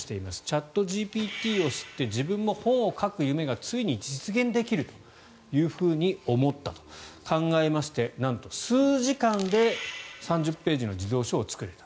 チャットＧＰＴを知って自分も本を書く夢がついに実現できるというふうに思ったと考えましてなんと数時間で３０ページの児童書を作れた。